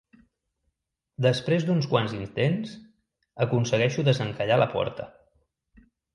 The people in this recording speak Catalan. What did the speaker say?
Després d'uns quants intents, aconsegueixo desencallar la porta.